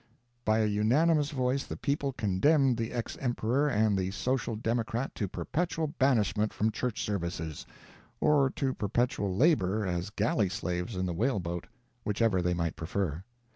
By a unanimous voice the people condemned the ex emperor and the social democrat to perpetual banishment from church services, or to perpetual labor as galley slaves in the whale boat whichever they might prefer.